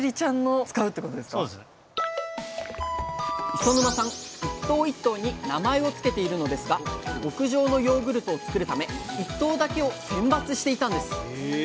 磯沼さん一頭一頭に名前を付けているのですが極上のヨーグルトを作るため１頭だけを選抜していたんです！